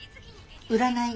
占い